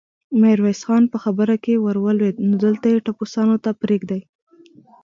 ميرويس خان په خبره کې ور ولوېد: نو دلته يې ټپوسانو ته پرېږدې؟